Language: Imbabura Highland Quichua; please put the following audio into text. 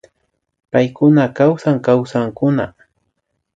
Paykuna kawsan kawsankuna